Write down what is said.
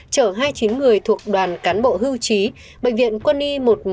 chở hai mươi chín người thuộc đoàn cán bộ hư trí bệnh viện quân y một trăm một mươi